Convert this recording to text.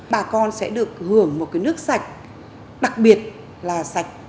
bà con sẽ được hưởng một cái nước sạch đặc biệt là sạch